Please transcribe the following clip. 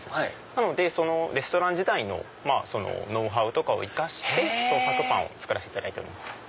なのでレストラン時代のノウハウとかを生かして創作パンを作らせていただいております。